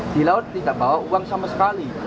di laut tidak bawa uang sama sekali